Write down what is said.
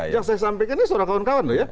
yang saya sampaikan ini sudah kawan kawan loh ya